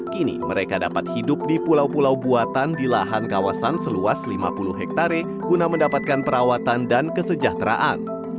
kini mereka dapat hidup di pulau pulau buatan di lahan kawasan seluas lima puluh hektare guna mendapatkan perawatan dan kesejahteraan